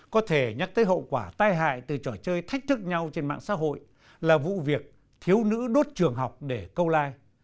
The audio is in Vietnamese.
có thể nhắc tới hậu quả tai hại từ trò chơi thách thức nhau trên mạng xã hội là vụ việc thiếu nữ đốt trường học để câu like